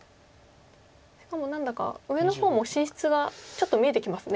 しかも何だか上の方も進出がちょっと見えてきますね。